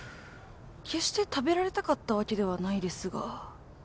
決して食べられたかったわけではないですが